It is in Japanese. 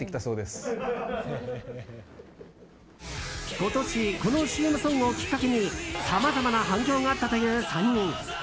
今年このＣＭソングをきっかけにさまざまな反響があったという３人。